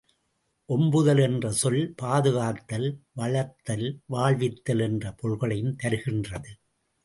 ஓம்புதல் என்ற சொல் பாதுகாத்தல், வளர்த்தல், வாழ்வித்தல் என்ற பொருள்களையும் தருகின்றது.